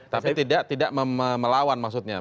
tapi tidak melawan maksudnya